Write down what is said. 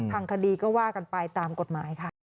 ทางคดีก็ว่ากันไปตามกฎหมายค่ะ